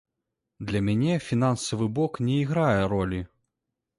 Для мяне фінансавы бок не іграе ролі.